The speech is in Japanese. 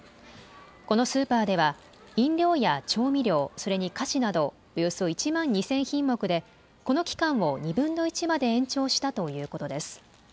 このスーパーでは飲料や調味料、それに菓子などおよそ１万２０００品目でこの期間を２分の１まで延長したということです。